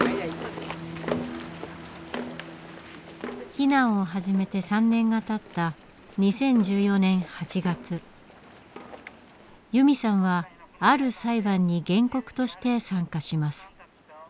避難を始めて３年がたった由美さんはある裁判に原告として参加します。